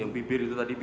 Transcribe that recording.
yang bibir itu tadi